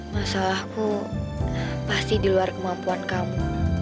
masalahku pasti di luar kemampuan kamu